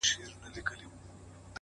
چي د خندا خبري پټي ساتي!!